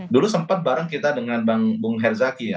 dulu sempat kita bareng dengan bang hezaki